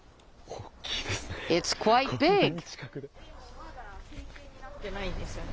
大きいですね。